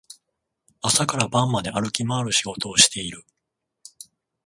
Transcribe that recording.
朝から晩まで歩き回る仕事をしている